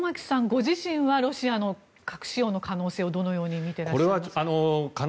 ご自身はロシアの核使用の可能性をどのように見ていらっしゃいますか？